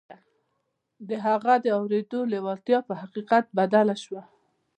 د هغه د اورېدو لېوالتیا پر حقيقت بدله شوه.